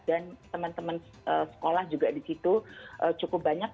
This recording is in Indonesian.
dan teman teman sekolah juga di situ cukup banyak